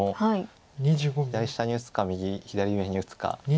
左下に打つか左上に打つか。